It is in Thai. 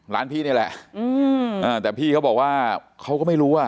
ร้านพี่นี่แหละอืมอ่าแต่พี่เขาบอกว่าเขาก็ไม่รู้อ่ะ